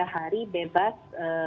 tiga hari bebas